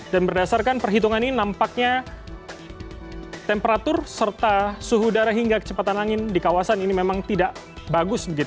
dan berdasarkan perhitungan ini nampaknya temperatur serta suhu udara hingga kecepatan angin di kawasan ini memang tidak bagus